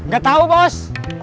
gak tahu bos